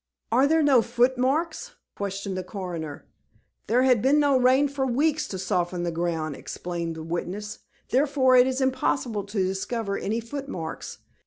"Are there no footmarks?" questioned the Coroner. "There has been no rain for weeks to soften the ground," explained the witness, "therefore it is impossible to discover any footmarks.